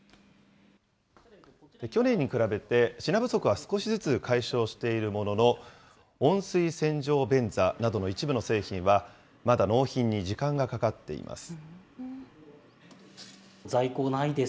去年に比べて、品不足は少しずつ解消しているものの、温水洗浄便座などの一部の製品は、まだ納品に時間がかかっています。